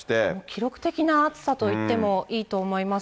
記録的な暑さといってもいいと思います。